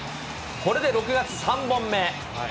これで６月３本目。